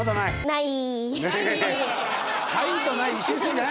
ない。